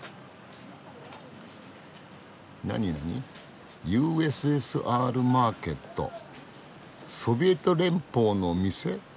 なになに「ＵＳＳＲマーケット」「ソビエト連邦の店」？